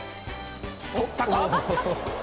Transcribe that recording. とったか？